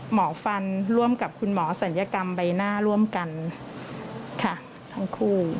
หมอฟันร่วมกับคุณหมอศัลยกรรมใบหน้าร่วมกันค่ะทั้งคู่